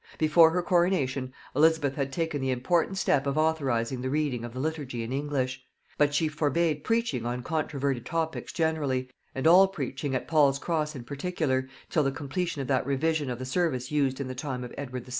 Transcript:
Before her coronation, Elizabeth had taken the important step of authorizing the reading of the liturgy in English; but she forbade preaching on controverted topics generally, and all preaching at Paul's Cross in particular, till the completion of that revision of the service used in the time of Edward VI.